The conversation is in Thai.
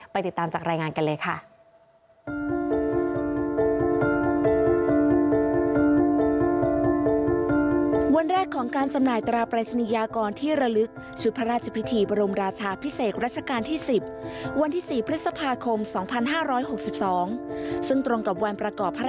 ติดตามจากรายงานกันเลยค่ะ